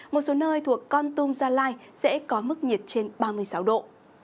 một số nơi thuộc con tum gia lai sẽ có mức nhiệt trên ba mươi sáu độ